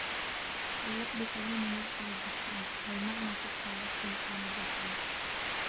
فَاللَّفْظُ كَلَامٌ يُعْقَلُ بِالسَّمْعِ وَالْمَعْنَى تَحْتَ اللَّفْظِ يُفْهَمُ بِالْقَلْبِ